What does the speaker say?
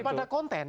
tidak pada konten